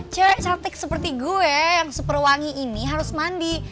cewek cantik seperti gue yang super wangi ini harus mandi